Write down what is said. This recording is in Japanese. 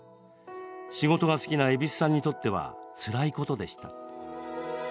仕事が好きな蛭子さんにとってはつらいことでした。